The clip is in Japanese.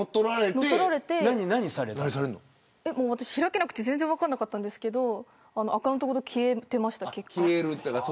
開けなくて分からなかったんですけどアカウントが消えてました。